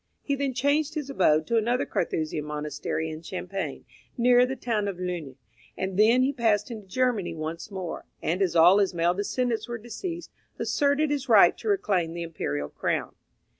He then changed his abode to another Carthusian monastery in Champagne, near the town of Luni, and thence he passed into Germany once more, and as all his male descendants were deceased, asserted his right to reclaim the imperial crown.